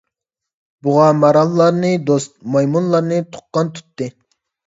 بۇغا، ماراللارنى دوست، مايمۇنلارنى تۇغقان تۇتتى.